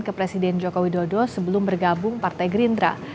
ke presiden joko widodo sebelum bergabung partai gerindra